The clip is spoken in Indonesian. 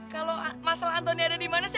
kalau masalah antoni ada di mana sih